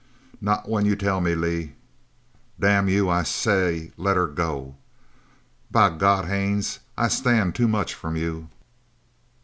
"Not when you tell me, Lee!" "Damn you, I say let her go!" "By God, Haines, I stand for too much from you!"